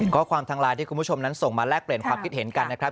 ข้อความทางไลน์ที่คุณผู้ชมนั้นส่งมาแลกเปลี่ยนความคิดเห็นกันนะครับ